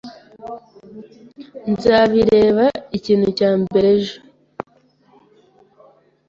Nzabireba ikintu cya mbere ejo.